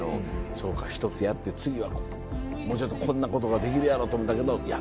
そうか１つやって次はもうちょっとこんなことができるやろと思ったけどいや